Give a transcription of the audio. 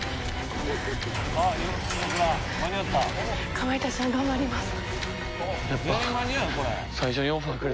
かまいたちさん、頑張ります。